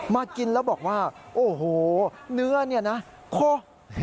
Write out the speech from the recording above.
มากินแล้วบอกว่าโอ้โหเนื้อเนี่ยนะโค